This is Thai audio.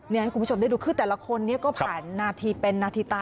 นี่ให้คุณผู้ชมได้ดูคือแต่ละคนนี้ก็ผ่านนาทีเป็นนาทีตา